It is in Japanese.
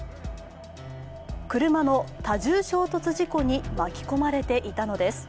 車の多重衝突事故に巻き込まれていたのです。